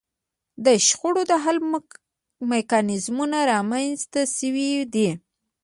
د شخړو د حل میکانیزمونه رامنځته شوي دي